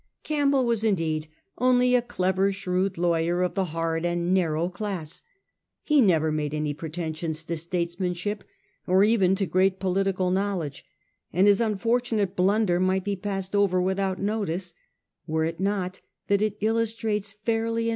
Campbell was indeed only a clever shrewd lawyer of the hard and narrow class. He never made any pretension to statesmanship, or even to great political knowledge ; and his unfor tunate blunder might be passed over without notice were it not that it illustrates fairly